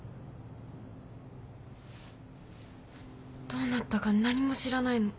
どうなったか何も知らないの。